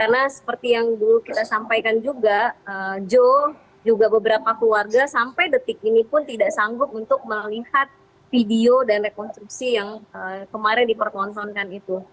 nah seperti yang dulu kita sampaikan juga joe juga beberapa keluarga sampai detik ini pun tidak sanggup untuk melihat video dan rekonstruksi yang kemarin dipertontonsonkan itu